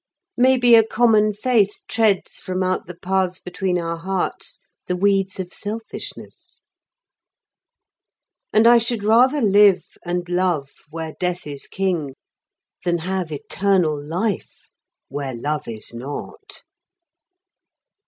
Maybe a common faith treads from out the paths between our hearts the weeds of selfishness, and I should rather live and love where death is king than have eternal life where love is not.